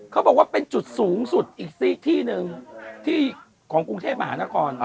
เขาบอกว่าเป็นจุดสูงสุดอีกที่หนึ่งของกรุงเทพมหานคร